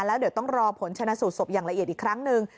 แล้วเดี๋ยวต้องรอผลชนะสูตรศพอย่างละเอียดอีกครั้งหนึ่ง